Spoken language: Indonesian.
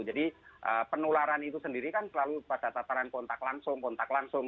penularan itu sendiri kan selalu pada tataran kontak langsung kontak langsung